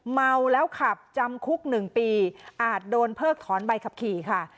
เมาแล้วขับจำคุก๑ปีอาจโดนเพิกถอนใบขับขี่ค่ะ